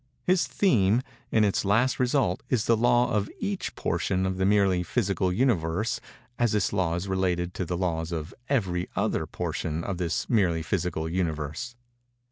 His theme, in its last result, is the law of each portion of the merely physical Universe, as this law is related to the laws of every other portion of this merely physical Universe.